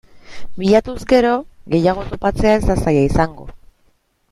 Bilatuz gero gehiago topatzea ez da zaila izango.